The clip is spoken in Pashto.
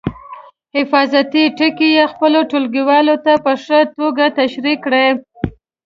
حفاظتي ټکي یې خپلو ټولګیوالو ته په ښه توګه تشریح کړئ.